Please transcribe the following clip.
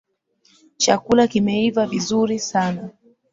Chakula kimeiva vizuri sana